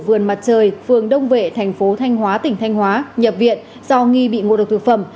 vườn mặt trời phường đông vệ thành phố thanh hóa tỉnh thanh hóa nhập viện do nghi bị ngộ độc thực phẩm